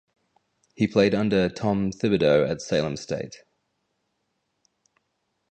He played under Tom Thibodeau at Salem State.